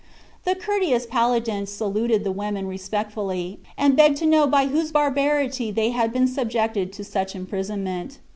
The courteous paladin saluted the women respectfully, and begged to know by whose barbarity they had been subjected to such imprisonment.